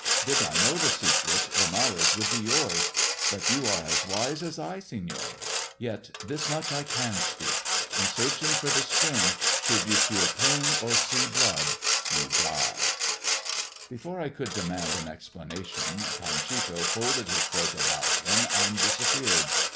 Did I know the secret, the knowledge would be yours. But you are as wise as I, Senor. Vet, this much I can speak. La searching for the spring, should you feel pain or see blood, you die." 'THE TALE OF THE TURQUOISE SKULL' 241 Before I could demand an explanation Panchito folded his cloak around him and disappeared.